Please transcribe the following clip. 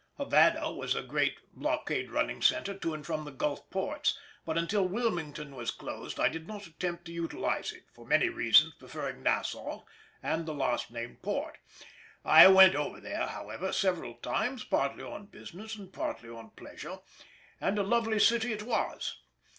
Havana was a great blockade running centre to and from the Gulf ports, but until Wilmington was closed I did not attempt to utilise it, for many reasons preferring Nassau and the last named port. I went over there, however, several times, partly on business, and partly on pleasure, and a lovely city it was.